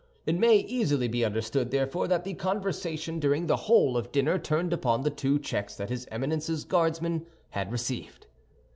It may easily be understood, therefore, that the conversation during the whole of dinner turned upon the two checks that his Eminence's Guardsmen had received.